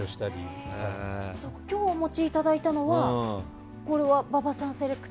今日お持ちいただいたのは馬場さんセレクト？